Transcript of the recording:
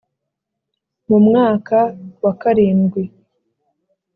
Mu mwaka wa karindwi